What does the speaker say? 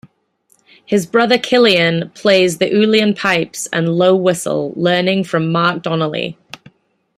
His brother Cillian plays the uillean pipes and low whistle, learning from Mark Donnelly.